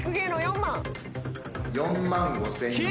４万５，０００円。